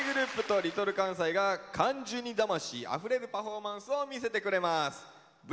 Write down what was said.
ｇｒｏｕｐとＬｉｌかんさいが関ジュニ魂あふれるパフォーマンスを見せてくれます。